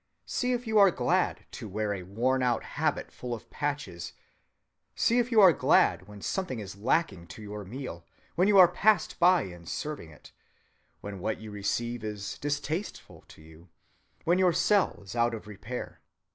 See if you are glad to wear a worn‐out habit full of patches. See if you are glad when something is lacking to your meal, when you are passed by in serving it, when what you receive is distasteful to you, when your cell is out of repair.